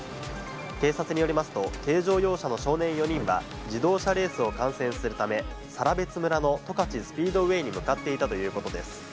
警察によりますと、軽乗用車の少年４人は、自動車レースを観戦するため、更別村の十勝スピードウェイに向かっていたということです。